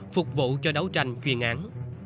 phục vụ cho đấu tranh chuyên án